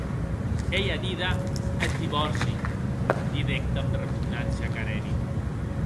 Ei a díder, eth divòrci, didec damb repugnància Karenin.